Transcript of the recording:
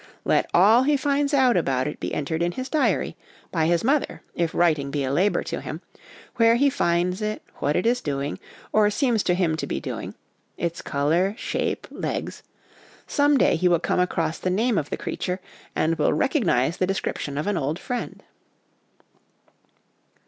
Let all he finds out about it be entered in his diary by his mother, if writing be a labour to him, where he finds it, what it is doing, or seems to him to be doing ; its colour, shape, legs : some day he will come across the name of the creature, and will recognise the description of an old friend.